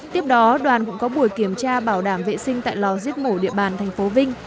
tiếp đó đoàn cũng có buổi kiểm tra bảo đảm vệ sinh tại lò giết mẩu địa bàn tp vinh